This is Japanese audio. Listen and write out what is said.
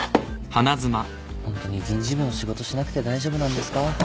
ホントに人事部の仕事しなくて大丈夫なんですか？